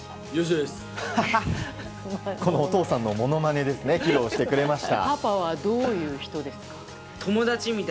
お父さんのものまね披露してくれました。